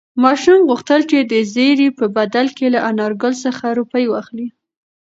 ماشوم غوښتل چې د زېري په بدل کې له انارګل څخه روپۍ واخلي.